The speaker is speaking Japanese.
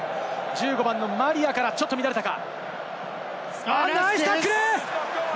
マリアからちょっと乱れたか？